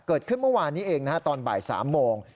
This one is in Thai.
เกิดขึ้นเมื่อวานนี้เองนะฮะตอนบ่าย๓โมง